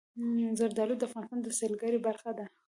زردالو د افغانستان د سیلګرۍ برخه ده.